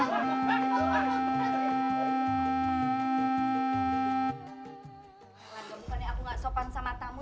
sekarang bukannya aku gak sopan sama tamu